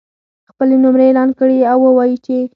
خپلې نمرې اعلان کړي او ووایي چې